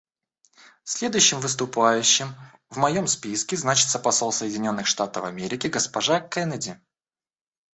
Следующим выступающим в моем списке значится посол Соединенных Штатов Америки госпожа Кеннеди.